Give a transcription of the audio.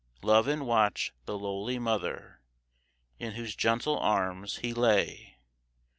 Love and watch the lowly mother In whose gentle arms He lay.